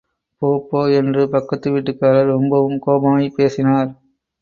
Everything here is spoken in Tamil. போ, போ. என்று பக்கத்து வீட்டுக்காரர் ரொம்பவும் கோபமாய்ப் பேசினார்.